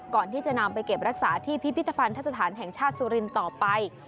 ก่อนที่จะนำไปเก็บรักษาที่พิพิธภัณฑสถานแห่งชาติสุรินทร์ต่อไป